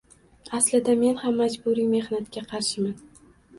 Aslida, men ham majburiy mehnatga qarshiman.